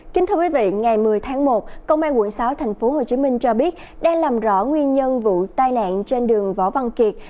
kính thưa quý vị ngày một mươi tháng một công an quận sáu tp hcm cho biết đang làm rõ nguyên nhân vụ tai nạn trên đường võ văn kiệt